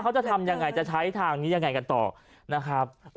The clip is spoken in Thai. เขาจะทำยังไงจะใช้ทางนี้ยังไงกันต่อนะครับ